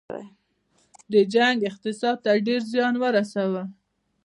دې جنګ اقتصاد ته ډیر زیان ورساوه.